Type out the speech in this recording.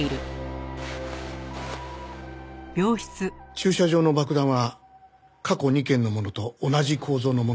駐車場の爆弾は過去２件のものと同じ構造のものでした。